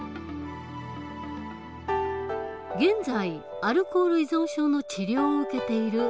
現在アルコール依存症の治療を受けている３０代の男性。